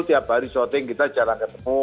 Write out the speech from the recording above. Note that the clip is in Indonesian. tiap hari syuting kita jarang ketemu